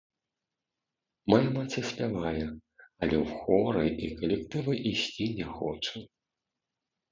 Мая маці спявае, але ў хоры і калектывы ісці не хоча.